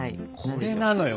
これなのよ